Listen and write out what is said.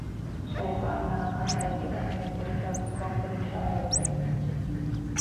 ޝައިބާން އާ އަހަރެން ގެ ރަހުމަތް ތެރިކަން ކޮންކްރިޓް ހާ ވަރުގަދަ ވެއްޖެ